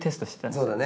そうだね